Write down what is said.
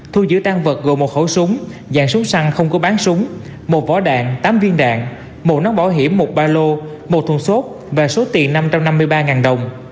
thu giữ tan vật gồm một khẩu súng dạng súng săn không có bán súng một vỏ đạn tám viên đạn một nón bảo hiểm một ba lô một thùng xốp và số tiền năm trăm năm mươi ba đồng